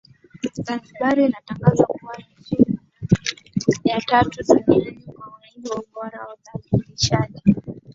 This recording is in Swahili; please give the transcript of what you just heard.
Zanzibar inatajwa kuwa nchi ya tatu duniani kwa waingi na ubora wa uzalishaji